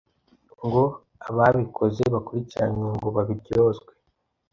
ngo ababikoze bakurikiranwe ngo babiryozwe.